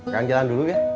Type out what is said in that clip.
ganti jalan dulu ya